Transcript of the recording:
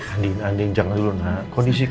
andi andi jangan dulu nak